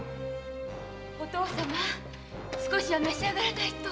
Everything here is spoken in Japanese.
お父さま少しは召しあがらないと。